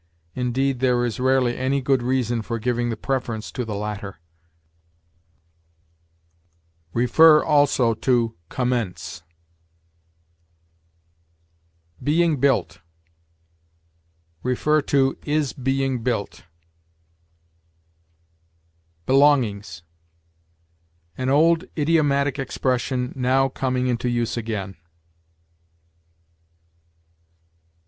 Indeed, there is rarely any good reason for giving the preference to the latter. See also COMMENCE. BEING BUILT. See IS BEING BUILT. BELONGINGS. An old idiomatic expression now coming into use again.